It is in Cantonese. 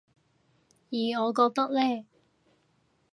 而我覺得呢